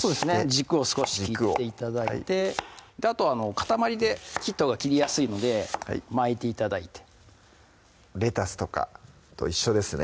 軸を少し切って頂いてあとは塊で切ったほうが切りやすいので巻いて頂いてレタスとかと一緒ですね